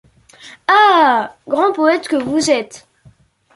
Ah! grand poète que vous êtes !